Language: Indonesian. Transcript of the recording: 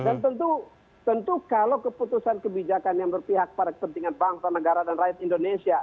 dan tentu tentu kalau keputusan kebijakan yang berpihak pada kepentingan bangsa negara dan rakyat indonesia